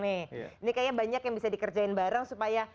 ini kayaknya banyak yang bisa dikerjain bareng supaya